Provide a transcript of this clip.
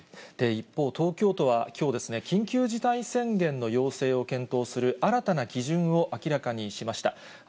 一方、東京都はきょう、緊急事態宣言の要請を検討する新たな基準を明らかにしました。